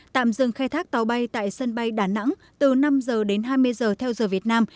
tạm dừng khai thác tàu bay tại sân bay đà nẵng từ năm giờ đến hai mươi giờ theo giờ việt nam